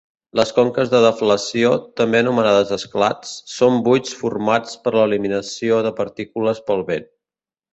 Les conques de deflació, també anomenades esclats, són buits formats per l'eliminació de partícules pel vent.